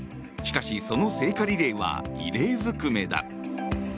しかしその聖火リレーは異例ずくめだ。